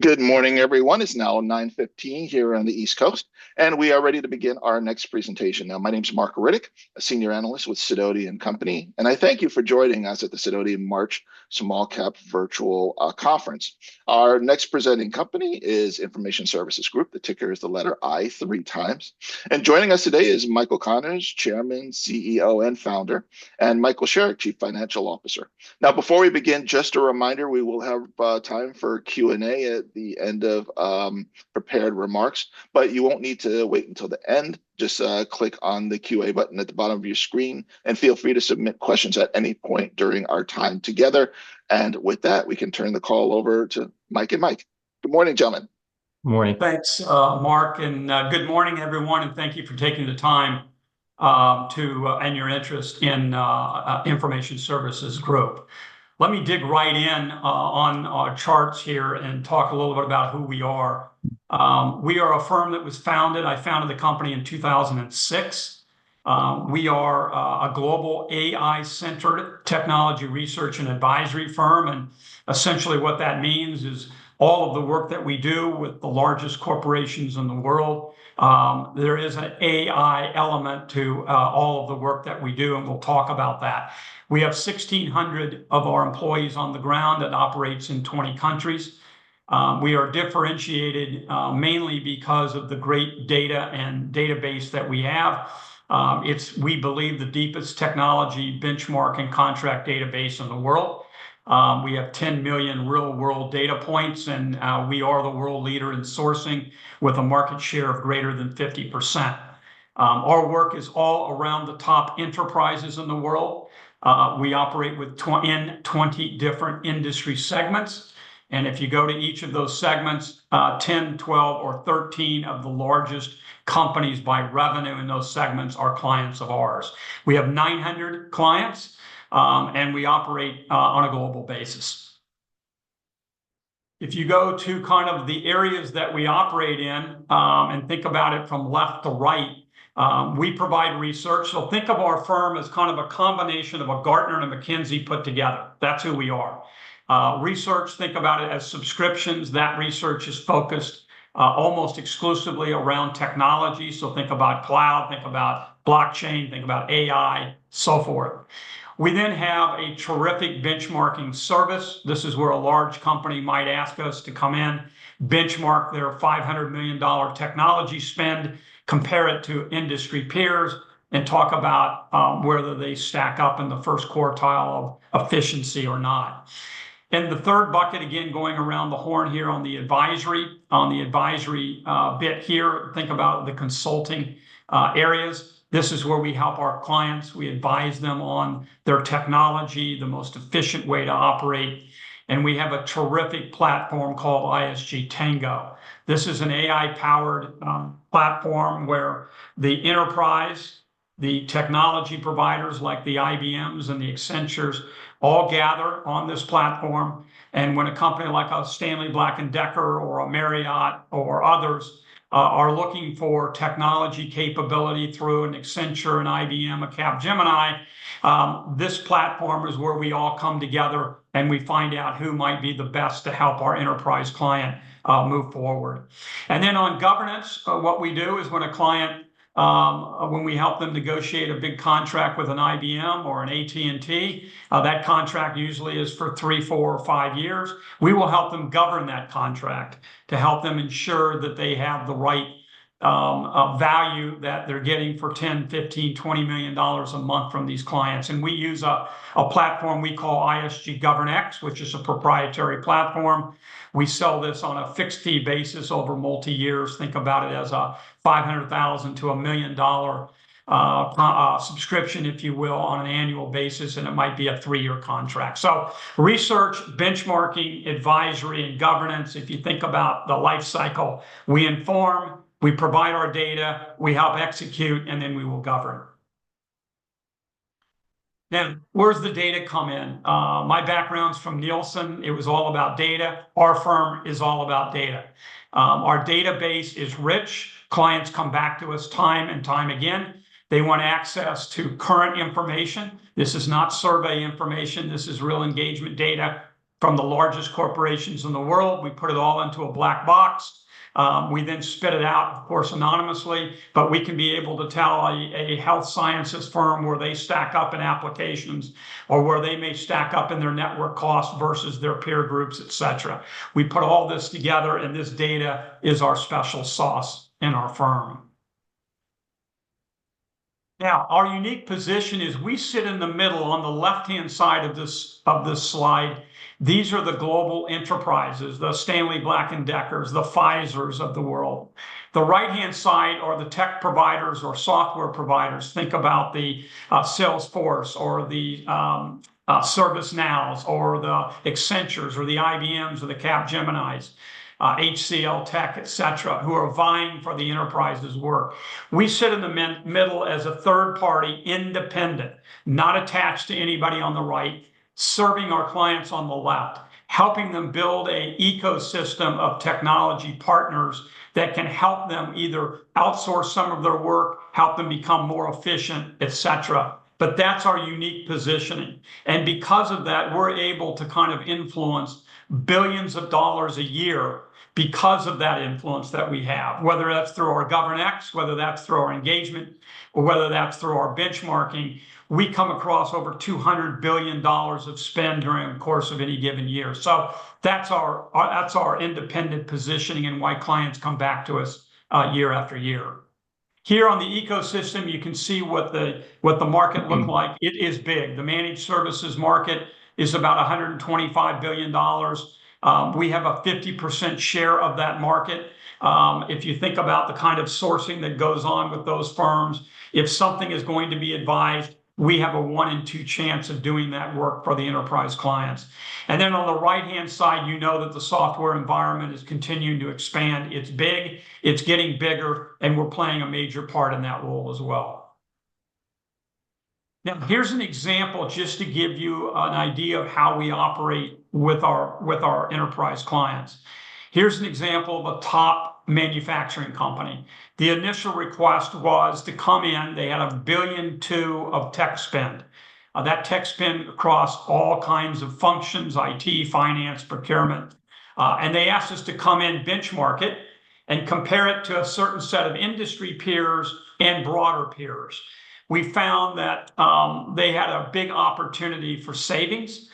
Good morning, everyone. It's now 9:15 here on the East Coast, and we are ready to begin our next presentation. My name is Mark Riddick, a senior analyst with Sidoti & Company, and I thank you for joining us at the Sidoti March Small Cap Virtual Conference. Our next presenting company is Information Services Group. The ticker is the letter I three times. Joining us today is Michael Connors, Chairman, CEO, and Founder, and Michael Sherck, Chief Financial Officer. Now, before we begin, just a reminder, we will have time for Q&A at the end of prepared remarks, but you won't need to wait until the end. Just click on the QA button at the bottom of your screen and feel free to submit questions at any point during our time together. With that, we can turn the call over to Mike and Mike. Good morning, gentlemen. Good morning. Thanks, Mark, and good morning, everyone. Thank you for taking the time and your interest in Information Services Group. Let me dig right in on our charts here and talk a little bit about who we are. We are a firm that was founded. I founded the company in 2006. We are a global AI-centered technology research and advisory firm. Essentially, what that means is all of the work that we do with the largest corporations in the world, there is an AI element to all of the work that we do, and we'll talk about that. We have 1,600 of our employees on the ground that operate in 20 countries. We are differentiated mainly because of the great data and database that we have. We believe the deepest technology benchmark and contract database in the world. We have 10 million real-world data points, and we are the world leader in sourcing with a market share of greater than 50%. Our work is all around the top enterprises in the world. We operate in 20 different industry segments. If you go to each of those segments, 10, 12, or 13 of the largest companies by revenue in those segments are clients of ours. We have 900 clients, and we operate on a global basis. If you go to kind of the areas that we operate in and think about it from left to right, we provide research. Think of our firm as kind of a combination of a Gartner and a McKinsey put together. That's who we are. Research, think about it as subscriptions. That research is focused almost exclusively around technology. Think about cloud, think about blockchain, think about AI, so forth. We then have a terrific benchmarking service. This is where a large company might ask us to come in, benchmark their $500 million technology spend, compare it to industry peers, and talk about whether they stack up in the first quartile of efficiency or not. The third bucket, again, going around the horn here on the advisory, on the advisory bit here, think about the consulting areas. This is where we help our clients. We advise them on their technology, the most efficient way to operate. We have a terrific platform called ISG Tango. This is an AI-powered platform where the enterprise, the technology providers like the IBMs and the Accentures all gather on this platform. When a company like a Stanley Black & Decker or a Marriott or others are looking for technology capability through an Accenture, an IBM, a Capgemini, this platform is where we all come together and we find out who might be the best to help our enterprise client move forward. On governance, what we do is when a client, when we help them negotiate a big contract with an IBM or an AT&T, that contract usually is for three, four, or five years. We will help them govern that contract to help them ensure that they have the right value that they're getting for $10 million, $15 million, $20 million a month from these clients. We use a platform we call ISG GovernX, which is a proprietary platform. We sell this on a fixed fee basis over multi-years. Think about it as a $500,000 to $1 million subscription, if you will, on an annual basis, and it might be a three-year contract. Research, benchmarking, advisory, and governance, if you think about the life cycle, we inform, we provide our data, we help execute, and then we will govern. Now, where does the data come in? My background's from Nielsen. It was all about data. Our firm is all about data. Our database is rich. Clients come back to us time and time again. They want access to current information. This is not survey information. This is real engagement data from the largest corporations in the world. We put it all into a black box. We then spit it out, of course, anonymously, but we can be able to tell a health sciences firm where they stack up in applications or where they may stack up in their network costs versus their peer groups, et cetera. We put all this together, and this data is our special sauce in our firm. Now, our unique position is we sit in the middle on the left-hand side of this slide. These are the global enterprises, the Stanley Black & Deckers, the Pfizers of the world. The right-hand side are the tech providers or software providers. Think about the Salesforce or the ServiceNows or the Accentures or the IBMs or the Capgeminis, HCL Tech, et cetera, who are vying for the enterprise's work. We sit in the middle as a third-party independent, not attached to anybody on the right, serving our clients on the left, helping them build an ecosystem of technology partners that can help them either outsource some of their work, help them become more efficient, et cetera. That is our unique position. Because of that, we're able to kind of influence billions of dollars a year because of that influence that we have, whether that's through our GovernX, whether that's through our engagement, or whether that's through our benchmarking. We come across over $200 billion of spend during the course of any given year. That is our independent positioning and why clients come back to us year after year. Here on the ecosystem, you can see what the market looks like. It is big. The managed services market is about $125 billion. We have a 50% share of that market. If you think about the kind of sourcing that goes on with those firms, if something is going to be advised, we have a one-in-two chance of doing that work for the enterprise clients. On the right-hand side, you know that the software environment is continuing to expand. It's big. It's getting bigger, and we're playing a major part in that role as well. Now, here's an example just to give you an idea of how we operate with our enterprise clients. Here's an example of a top manufacturing company. The initial request was to come in. They had $1.2 billion of tech spend. That tech spend across all kinds of functions, IT, finance, procurement. They asked us to come in, benchmark it, and compare it to a certain set of industry peers and broader peers. We found that they had a big opportunity for savings.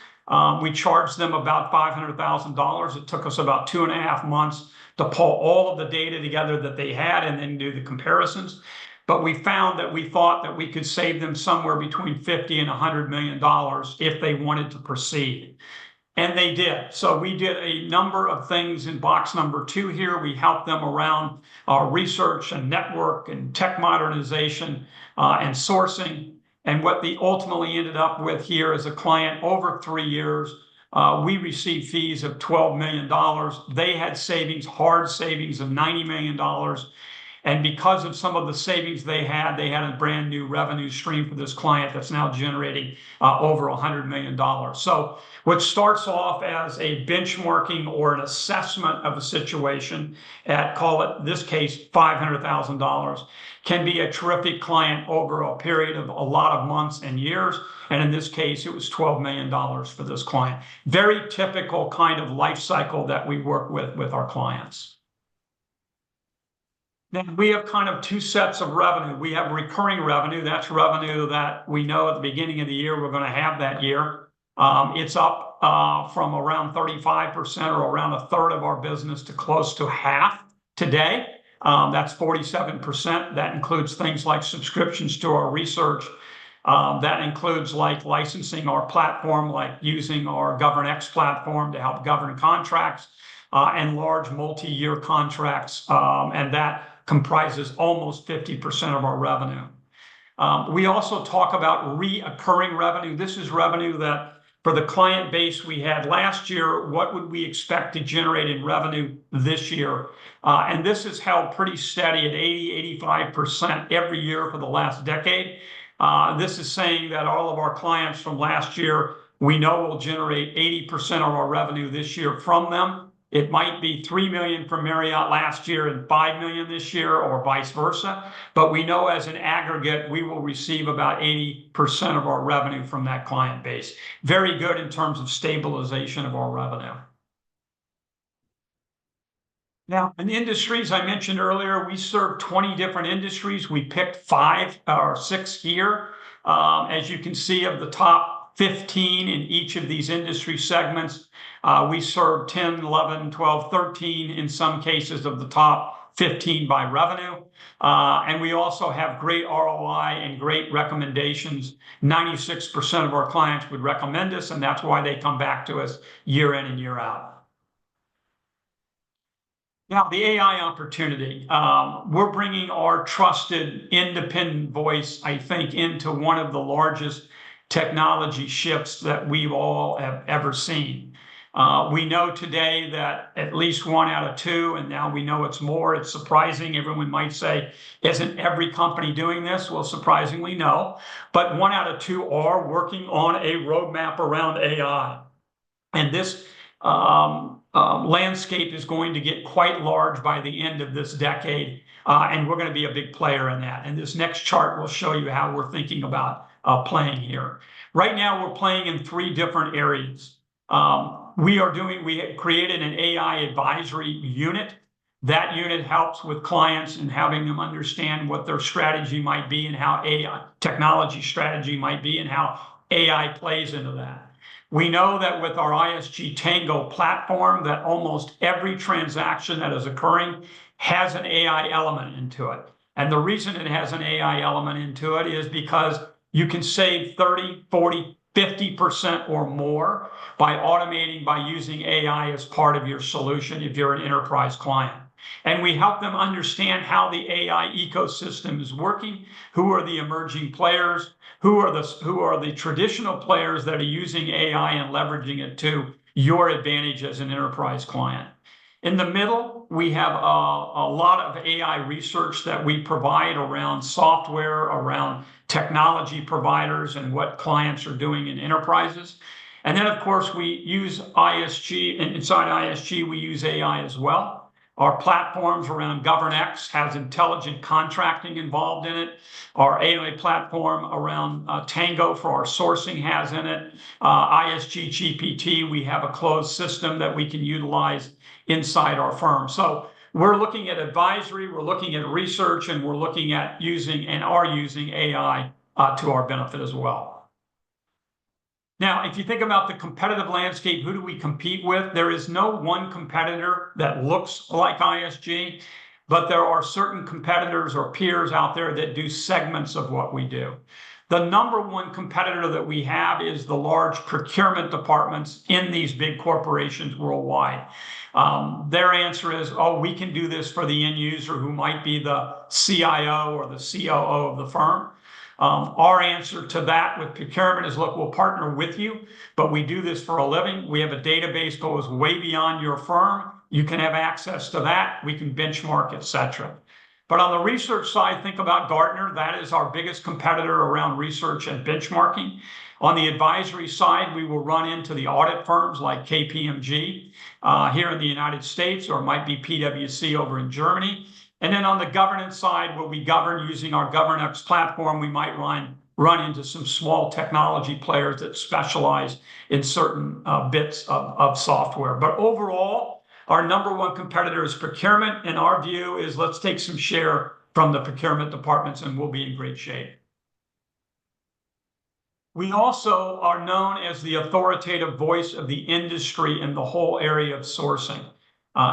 We charged them about $500,000. It took us about two and a half months to pull all of the data together that they had and then do the comparisons. We found that we thought that we could save them somewhere between $50 million and $100 million if they wanted to proceed. They did. We did a number of things in box number two here. We helped them around our research and network and tech modernization and sourcing. What we ultimately ended up with here as a client over three years, we received fees of $12 million. They had savings, hard savings of $90 million. Because of some of the savings they had, they had a brand new revenue stream for this client that's now generating over $100 million. What starts off as a benchmarking or an assessment of a situation, call it this case, $500,000, can be a terrific client over a period of a lot of months and years. In this case, it was $12 million for this client. Very typical kind of life cycle that we work with our clients. We have kind of two sets of revenue. We have recurring revenue. That's revenue that we know at the beginning of the year we're going to have that year. It's up from around 35% or around a third of our business to close to half today. That's 47%. That includes things like subscriptions to our research. That includes licensing our platform, like using our GovernX platform to help govern contracts and large multi-year contracts. That comprises almost 50% of our revenue. We also talk about recurring revenue. This is revenue that for the client base we had last year, what would we expect to generate in revenue this year? This has held pretty steady at 80%-85% every year for the last decade. This is saying that all of our clients from last year, we know we will generate 80% of our revenue this year from them. It might be $3 million from Marriott last year and $5 million this year or vice versa. We know as an aggregate, we will receive about 80% of our revenue from that client base. Very good in terms of stabilization of our revenue. Now, in the industries I mentioned earlier, we serve 20 different industries. We picked five or six here. As you can see, of the top 15 in each of these industry segments, we serve 10, 11, 12, 13, in some cases of the top 15 by revenue. We also have great ROI and great recommendations. 96% of our clients would recommend us, and that's why they come back to us year in and year out. Now, the AI opportunity. We're bringing our trusted independent voice, I think, into one of the largest technology shifts that we've all ever seen. We know today that at least one out of two, and now we know it's more. It's surprising. Everyone might say, "Isn't every company doing this?" Surprisingly, no. One out of two are working on a roadmap around AI. This landscape is going to get quite large by the end of this decade, and we're going to be a big player in that. This next chart will show you how we're thinking about playing here. Right now, we're playing in three different areas. We created an AI advisory unit. That unit helps with clients and having them understand what their strategy might be and how technology strategy might be and how AI plays into that. We know that with our ISG Tango platform, that almost every transaction that is occurring has an AI element into it. The reason it has an AI element into it is because you can save 30%, 40%, 50% or more by automating, by using AI as part of your solution if you're an enterprise client. We help them understand how the AI ecosystem is working, who are the emerging players, who are the traditional players that are using AI and leveraging it to your advantage as an enterprise client. In the middle, we have a lot of AI research that we provide around software, around technology providers, and what clients are doing in enterprises. Of course, we use ISG. Inside ISG, we use AI as well. Our platforms around GovernX have intelligent contracting involved in it. Our AI platform around Tango for our sourcing has in it. ISG GPT, we have a closed system that we can utilize inside our firm. We're looking at advisory, we're looking at research, and we're looking at using and are using AI to our benefit as well. Now, if you think about the competitive landscape, who do we compete with? There is no one competitor that looks like ISG, but there are certain competitors or peers out there that do segments of what we do. The number one competitor that we have is the large procurement departments in these big corporations worldwide. Their answer is, "Oh, we can do this for the end user who might be the CIO or the COO of the firm." Our answer to that with procurement is, "Look, we'll partner with you, but we do this for a living. We have a database that goes way beyond your firm. You can have access to that. We can benchmark, et cetera." On the research side, think about Gartner. That is our biggest competitor around research and benchmarking. On the advisory side, we will run into the audit firms like KPMG here in the United States or might be PwC over in Germany. On the governance side, where we govern using our GovernX platform, we might run into some small technology players that specialize in certain bits of software. Overall, our number one competitor is procurement. In our view, let's take some share from the procurement departments, and we'll be in great shape. We also are known as the authoritative voice of the industry in the whole area of sourcing.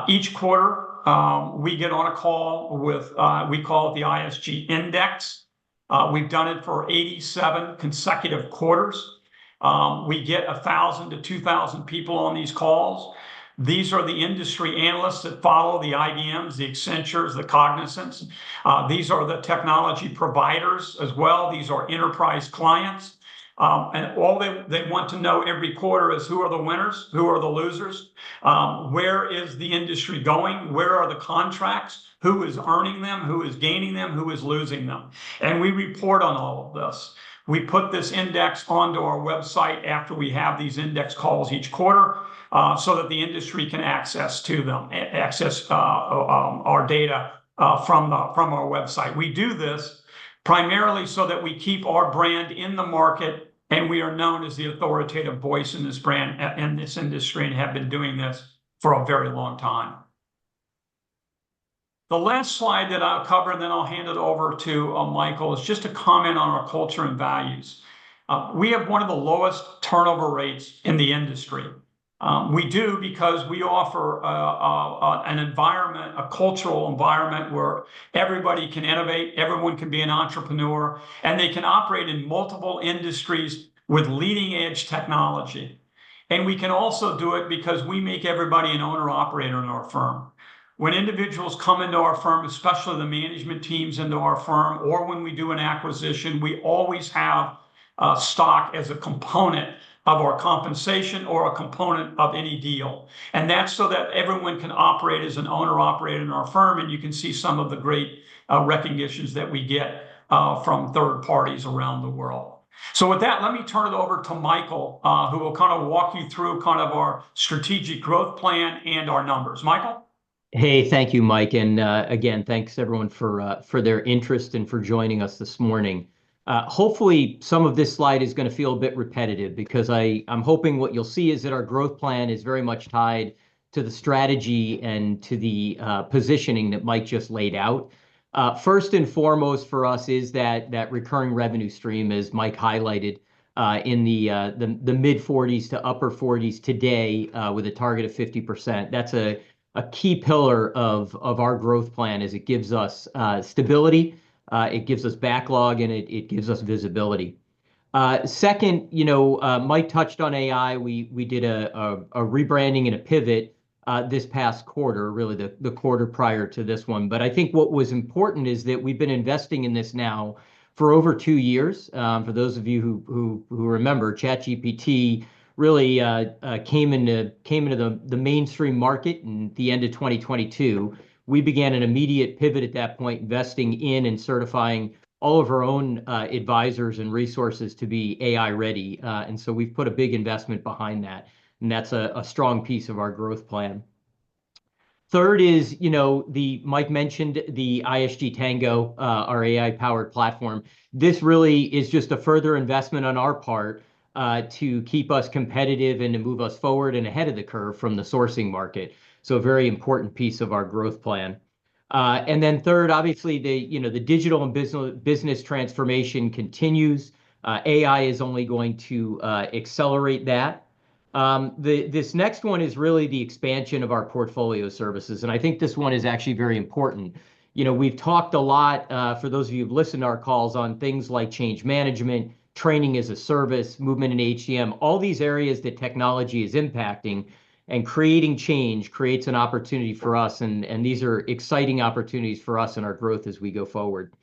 Each quarter, we get on a call with, we call it the ISG Index. We've done it for 87 consecutive quarters. We get 1,000-2,000 people on these calls. These are the industry analysts that follow the IBMs, the Accentures, the Cognizants. These are the technology providers as well. These are enterprise clients. All they want to know every quarter is who are the winners, who are the losers, where is the industry going, where are the contracts, who is earning them, who is gaining them, who is losing them. We report on all of this. We put this index onto our website after we have these index calls each quarter so that the industry can access our data from our website. We do this primarily so that we keep our brand in the market, and we are known as the authoritative voice in this industry and have been doing this for a very long time. The last slide that I'll cover, and then I'll hand it over to Michael, is just a comment on our culture and values. We have one of the lowest turnover rates in the industry. We do because we offer an environment, a cultural environment where everybody can innovate, everyone can be an entrepreneur, and they can operate in multiple industries with leading-edge technology. We can also do it because we make everybody an owner-operator in our firm. When individuals come into our firm, especially the management teams into our firm, or when we do an acquisition, we always have stock as a component of our compensation or a component of any deal. That is so that everyone can operate as an owner-operator in our firm, and you can see some of the great recognitions that we get from third parties around the world. With that, let me turn it over to Michael, who will kind of walk you through kind of our strategic growth plan and our numbers. Michael. Hey, thank you, Mike. Again, thanks everyone for their interest and for joining us this morning. Hopefully, some of this slide is going to feel a bit repetitive because I am hoping what you will see is that our growth plan is very much tied to the strategy and to the positioning that Mike just laid out. First and foremost for us is that recurring revenue stream, as Mike highlighted, in the mid-40% to upper 40% today with a target of 50%. That is a key pillar of our growth plan as it gives us stability, it gives us backlog, and it gives us visibility. Second, Mike touched on AI. We did a rebranding and a pivot this past quarter, really the quarter prior to this one. I think what was important is that we have been investing in this now for over two years. For those of you who remember, ChatGPT really came into the mainstream market at the end of 2022. We began an immediate pivot at that point, investing in and certifying all of our own advisors and resources to be AI-ready. We have put a big investment behind that. That is a strong piece of our growth plan. Third is, Mike mentioned the ISG Tango, our AI-powered platform. This really is just a further investment on our part to keep us competitive and to move us forward and ahead of the curve from the sourcing market. Very important piece of our growth plan. Next, obviously, the digital and business transformation continues. AI is only going to accelerate that. This next one is really the expansion of our portfolio services. I think this one is actually very important. We've talked a lot, for those of you who've listened to our calls, on things like change management, training as a service, movement in HCM, all these areas that technology is impacting and creating change creates an opportunity for us. These are exciting opportunities for us and our growth as we go forward.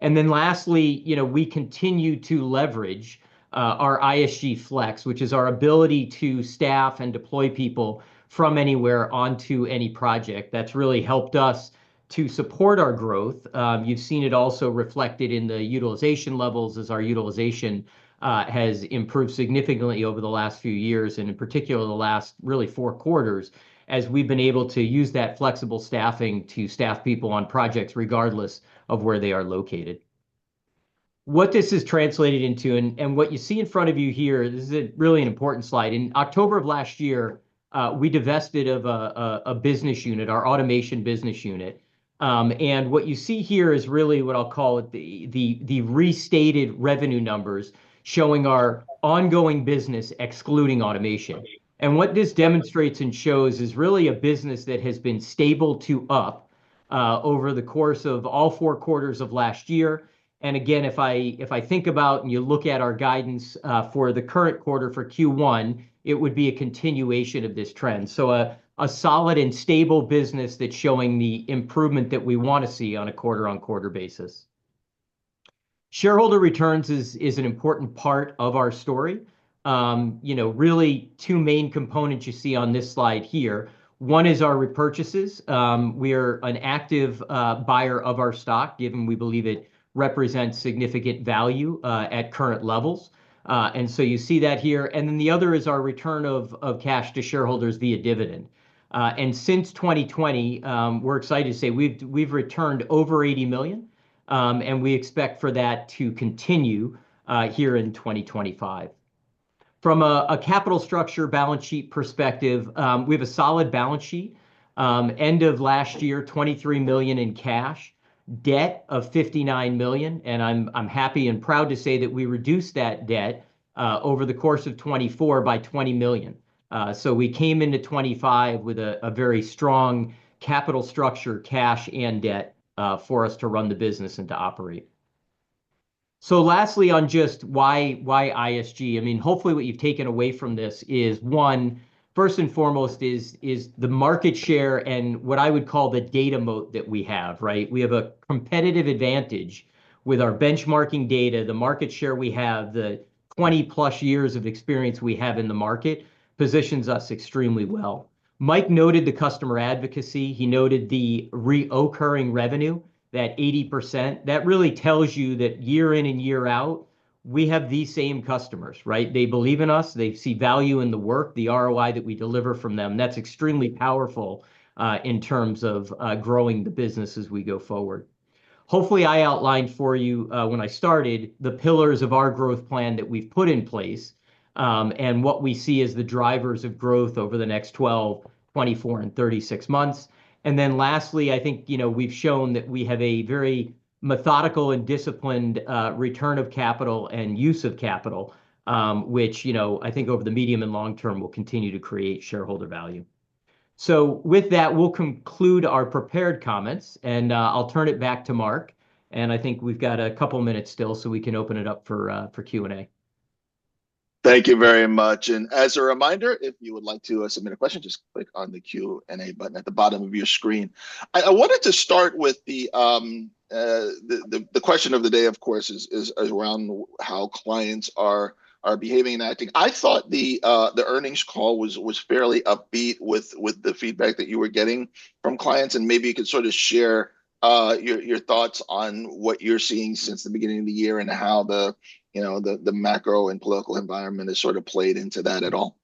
Lastly, we continue to leverage our ISG Flex, which is our ability to staff and deploy people from anywhere onto any project. That's really helped us to support our growth. You've seen it also reflected in the utilization levels as our utilization has improved significantly over the last few years, and in particular, the last really four quarters, as we've been able to use that flexible staffing to staff people on projects regardless of where they are located. What this has translated into, and what you see in front of you here, this is really an important slide. In October of last year, we divested of a business unit, our automation business unit. What you see here is really what I'll call the restated revenue numbers showing our ongoing business excluding automation. What this demonstrates and shows is really a business that has been stable to up over the course of all four quarters of last year. Again, if I think about and you look at our guidance for the current quarter for Q1, it would be a continuation of this trend. A solid and stable business that's showing the improvement that we want to see on a quarter-on-quarter basis. Shareholder returns is an important part of our story. Really, two main components you see on this slide here. One is our repurchases. We are an active buyer of our stock, given we believe it represents significant value at current levels. You see that here. The other is our return of cash to shareholders via dividend. Since 2020, we're excited to say we've returned over $80 million, and we expect for that to continue here in 2025. From a capital structure balance sheet perspective, we have a solid balance sheet. End of last year, $23 million in cash, debt of $59 million. I'm happy and proud to say that we reduced that debt over the course of 2024 by $20 million. We came into 2025 with a very strong capital structure, cash and debt for us to run the business and to operate. Lastly, on just why ISG, hopefully what you've taken away from this is, one, first and foremost is the market share and what I would call the data moat that we have. We have a competitive advantage with our benchmarking data. The market share we have, the 20-plus years of experience we have in the market, positions us extremely well. Mike noted the customer advocacy. He noted the reoccurring revenue, that 80%. That really tells you that year in and year out, we have these same customers. They believe in us. They see value in the work, the ROI that we deliver from them. That's extremely powerful in terms of growing the business as we go forward. Hopefully, I outlined for you when I started the pillars of our growth plan that we've put in place and what we see as the drivers of growth over the next 12, 24, and 36 months. Lastly, I think we've shown that we have a very methodical and disciplined return of capital and use of capital, which I think over the medium and long term will continue to create shareholder value. With that, we'll conclude our prepared comments, and I'll turn it back to Mark. I think we've got a couple of minutes still, so we can open it up for Q&A. Thank you very much. As a reminder, if you would like to submit a question, just click on the Q&A button at the bottom of your screen. I wanted to start with the question of the day, of course, around how clients are behaving and acting. I thought the earnings call was fairly upbeat with the feedback that you were getting from clients. Maybe you could sort of share your thoughts on what you're seeing since the beginning of the year and how the macro and political environment has sort of played into that at all.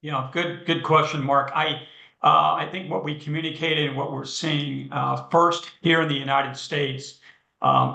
Yeah, good question, Mark. I think what we communicated and what we're seeing first here in the United States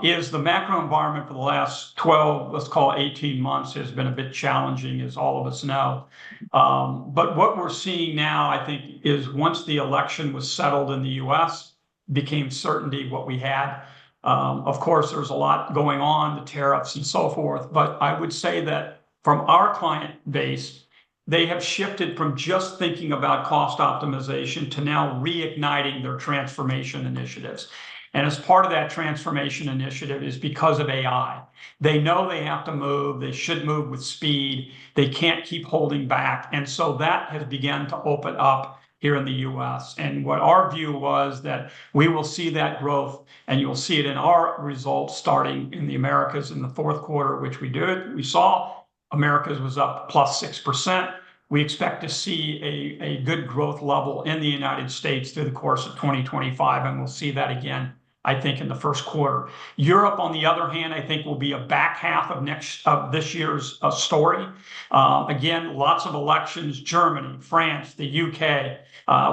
is the macro environment for the last 12, let's call it 18 months, has been a bit challenging, as all of us know. What we're seeing now, I think, is once the election was settled in the U.S., became certainty what we had. Of course, there was a lot going on, the tariffs and so forth. I would say that from our client base, they have shifted from just thinking about cost optimization to now reigniting their transformation initiatives. As part of that transformation initiative is because of AI. They know they have to move. They should move with speed. They can't keep holding back. That has begun to open up here in the U.S. What our view was that we will see that growth, and you'll see it in our results starting in the Americas in the Q4, which we did. We saw Americas was up plus 6%. We expect to see a good growth level in the United States through the course of 2025, and we'll see that again, I think, in the Q1. Europe, on the other hand, I think will be a back half of this year's story. Again, lots of elections: Germany, France, the U.K.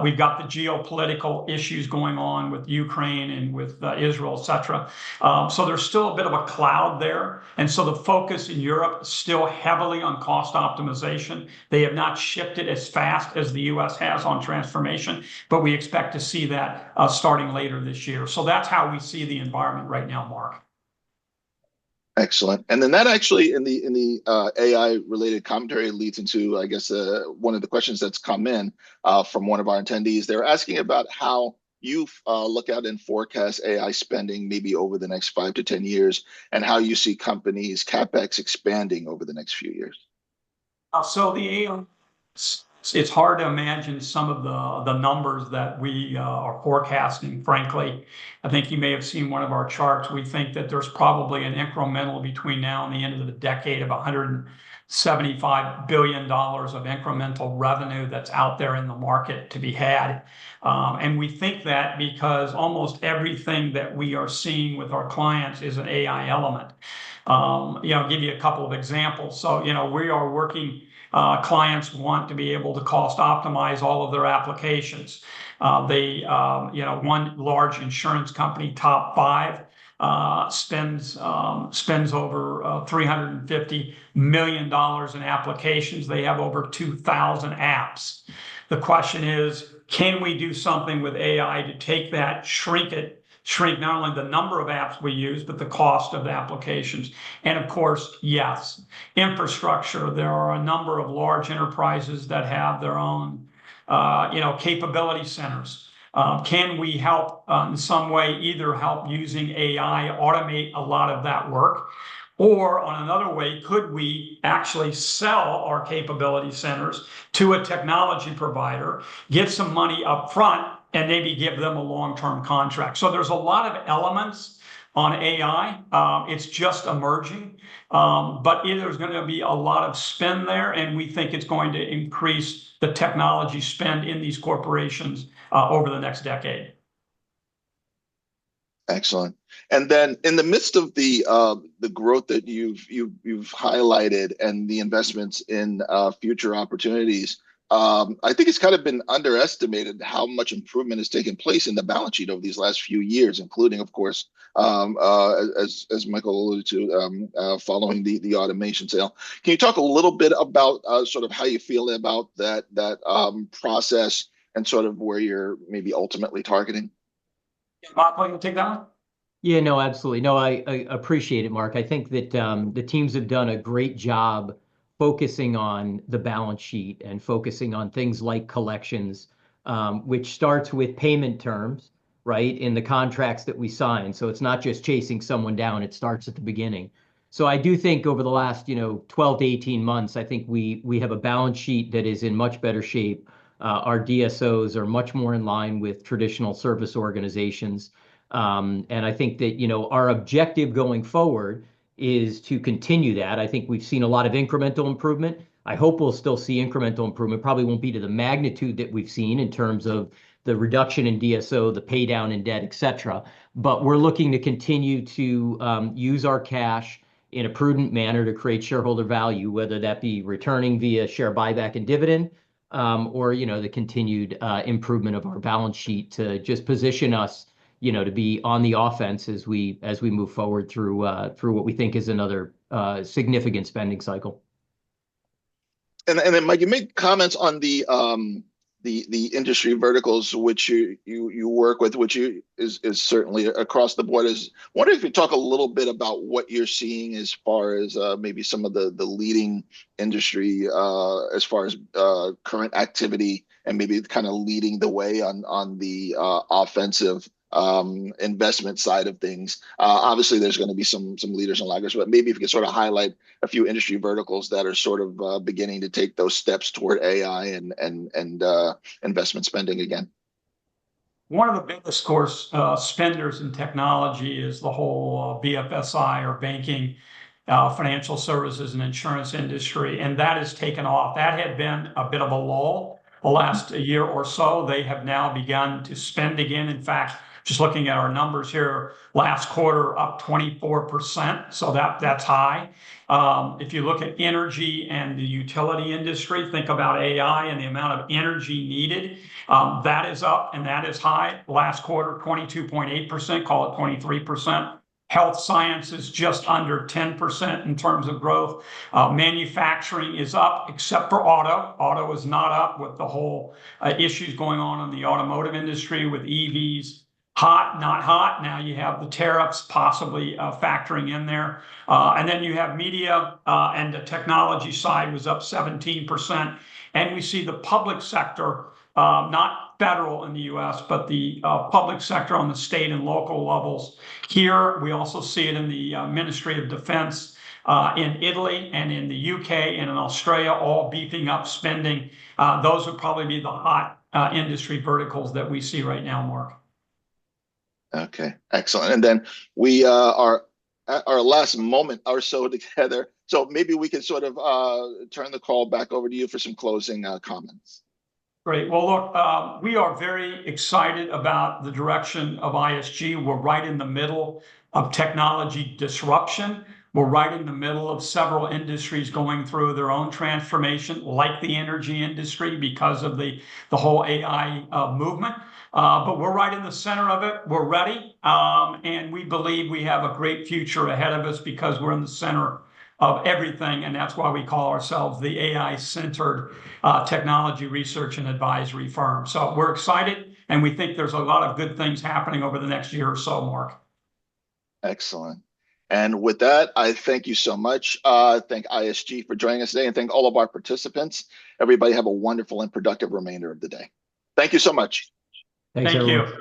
We've got the geopolitical issues going on with Ukraine and with Israel, et cetera. There's still a bit of a cloud there. The focus in Europe is still heavily on cost optimization. They have not shifted as fast as the U.S. has on transformation, but we expect to see that starting later this year. That's how we see the environment right now, Mark. Excellent. That actually, in the AI-related commentary, leads into, I guess, one of the questions that's come in from one of our attendees. They're asking about how you look at and forecast AI spending maybe over the next 5 to 10 years and how you see companies, CapEx, expanding over the next few years. It's hard to imagine some of the numbers that we are forecasting, frankly. I think you may have seen one of our charts. We think that there's probably an incremental between now and the end of the decade of $175 billion of incremental revenue that's out there in the market to be had. We think that because almost everything that we are seeing with our clients is an AI element. I'll give you a couple of examples. We are working clients want to be able to cost optimize all of their applications. One large insurance company, Top Five, spends over $350 million in applications. They have over 2,000 apps. The question is, can we do something with AI to take that, shrink it, shrink not only the number of apps we use, but the cost of the applications? Of course, yes. Infrastructure. There are a number of large enterprises that have their own capability centers. Can we help in some way, either help using AI automate a lot of that work? In another way, could we actually sell our capability centers to a technology provider, get some money upfront, and maybe give them a long-term contract? There are a lot of elements on AI. It is just emerging. There is going to be a lot of spend there, and we think it is going to increase the technology spend in these corporations over the next decade. Excellent. In the midst of the growth that you've highlighted and the investments in future opportunities, I think it's kind of been underestimated how much improvement has taken place in the balance sheet over these last few years, including, of course, as Michael alluded to, following the automation sale. Can you talk a little bit about sort of how you feel about that process and sort of where you're maybe ultimately targeting? Yeah, Mike, will you take that one? Yeah, no, absolutely. No, I appreciate it, Mark. I think that the teams have done a great job focusing on the balance sheet and focusing on things like collections, which starts with payment terms in the contracts that we sign. It's not just chasing someone down. It starts at the beginning. I do think over the last 12 to 18 months, I think we have a balance sheet that is in much better shape. Our DSOs are much more in line with traditional service organizations. I think that our objective going forward is to continue that. I think we've seen a lot of incremental improvement. I hope we'll still see incremental improvement. Probably won't be to the magnitude that we've seen in terms of the reduction in DSO, the paydown in debt, et cetera. We are looking to continue to use our cash in a prudent manner to create shareholder value, whether that be returning via share buyback and dividend or the continued improvement of our balance sheet to just position us to be on the offense as we move forward through what we think is another significant spending cycle. Mike, you make comments on the industry verticals which you work with, which is certainly across the board. I wonder if you'd talk a little bit about what you're seeing as far as maybe some of the leading industry as far as current activity and maybe kind of leading the way on the offensive investment side of things. Obviously, there's going to be some leaders and laggards, but maybe if you could sort of highlight a few industry verticals that are sort of beginning to take those steps toward AI and investment spending again. One of the biggest, of course, spenders in technology is the whole BFSI or banking, financial services, and insurance industry. That has taken off. That had been a bit of a lull the last year or so. They have now begun to spend again. In fact, just looking at our numbers here, last quarter, up 24%. That's high. If you look at energy and the utility industry, think about AI and the amount of energy needed. That is up, and that is high. Last quarter, 22.8%, call it 23%. Health science is just under 10% in terms of growth. Manufacturing is up, except for auto. Auto is not up with the whole issues going on in the automotive industry with EVs. Hot, not hot. Now you have the tariffs possibly factoring in there. You have media and the technology side was up 17%. We see the public sector, not federal in the U.S., but the public sector on the state and local levels. Here, we also see it in the Ministry of Defense in Italy and in the U.K. and in Australia, all beefing up spending. Those would probably be the hot industry verticals that we see right now, Mark. Okay, excellent. We are at our last moment or so together. Maybe we can sort of turn the call back over to you for some closing comments. Great. Look, we are very excited about the direction of ISG. We are right in the middle of technology disruption. We are right in the middle of several industries going through their own transformation, like the energy industry because of the whole AI movement. We are right in the center of it. We are ready. We believe we have a great future ahead of us because we are in the center of everything. That is why we call ourselves the AI-centered technology research and advisory firm. We are excited, and we think there is a lot of good things happening over the next year or so, Mark. Excellent. With that, I thank you so much. Thank ISG for joining us today, and thank all of our participants. Everybody have a wonderful and productive remainder of the day. Thank you so much. Thank you. Thank you.